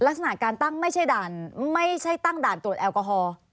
ลักษณะการตั้งไม่ใช่ด่านตรวจแอลกอฮอล์